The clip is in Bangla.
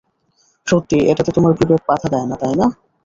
সত্যিই এটাতে তোমার বিবেক বাধা দেয়না, তাইনা?